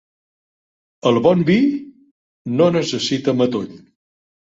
El bon vi no necessita matoll